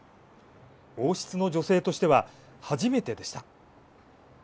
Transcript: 王室の女性としては初めてでした。